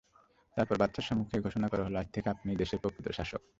তারপর বাদশাহর সম্মুখেই ঘোষণা করা হলোঃ আজ থেকে আপনিই দেশের প্রকৃত শাসক।